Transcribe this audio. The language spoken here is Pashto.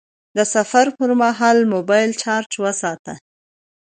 د سفر پر مهال موبایل چارج وساته..